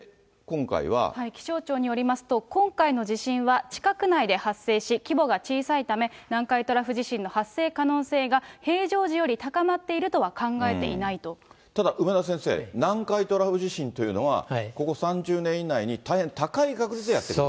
気象庁によりますと、今回の地震は地殻内で発生し、規模が小さいため、南海トラフ地震の発生可能性が平常時より高まっているとは考えてただ、梅田先生、南海トラフ地震というのは、ここ３０年以内に大変高い確率でやってくると。